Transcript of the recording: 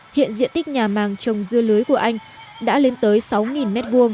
hiện diện tích nhà màng trồng dưa lưới của anh đã lên tới sáu m hai